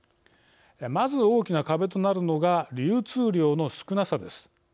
まず、大きな壁となるのが流通量の少なさです。